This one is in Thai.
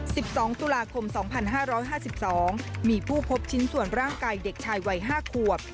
สิบสองตุลาคมสองพันห้าร้อยห้าสิบสองมีผู้พบชิ้นส่วนร่างกายเด็กชายวัยห้าขวบ